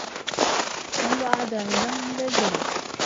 وَهُوَ أَعْدَى عِنْدَهُمْ مِنْ الْجَرَبِ